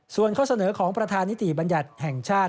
ส่วนข้อเสนอของประธานิติบัญญัติแห่งชาติ